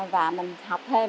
và mình học thêm